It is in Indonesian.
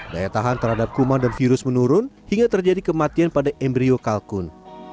daya tahan terhadap kuman dan virus menurun hingga terjadi kematian pada embryo kalkun